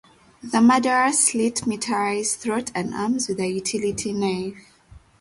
The murderer slit Mitarai's throat and arms with a utility knife.